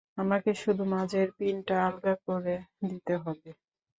আমাদেরকে শুধু মাঝের পিনটা আলগা করে দিতে হবে।